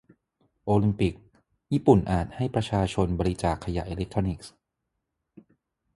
โอลิมปิก ญี่ปุ่นอาจให้ประชาชนบริจาคขยะอิเล็กทรอนิกส์